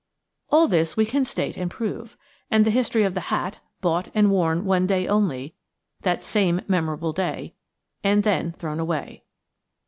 "All this we can state and prove, and the history of the hat, bought, and worn one day only, that same memorable day, and then thrown away."